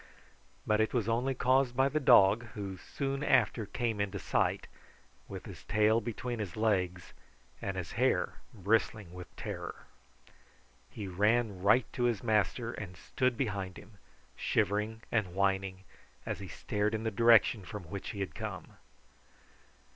But it was only caused by the dog, who soon after came into sight, with his tail between his legs, and his hair bristling with terror. He ran right to his master and stood behind him, shivering and whining, as he stared in the direction from which he had come.